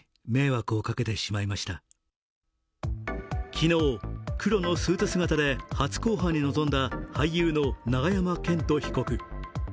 昨日、黒のスーツ姿で初公判に臨んだ俳優の永山絢斗被告。